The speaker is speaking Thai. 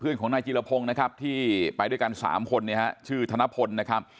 เพื่อนของนายจิลภงนะครับที่ไปด้วยกันสามคนนะครับชื่อธนพลนะครับ